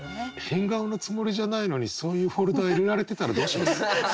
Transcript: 変顔のつもりじゃないのにそういうフォルダ入れられてたらどうします？